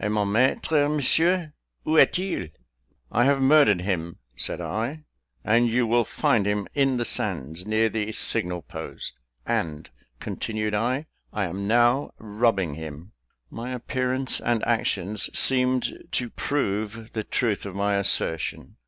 "Et mon maître, Monsieur, où est il?" "I have murdered him," said I, "and you will find him in the sands, near the signal post; and," continued I, "I am now robbing him!" My appearance and actions seemed to prove the truth of my assertion.